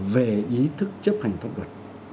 về ý thức chấp hành pháp luật